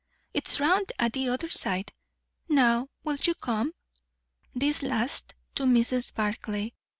it's round at the other side. Now, will you come?" This last to Mrs. Barclay.